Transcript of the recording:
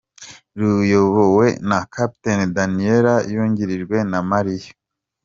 Ruyobowe na Captain Daniela yungirijwe na Marie.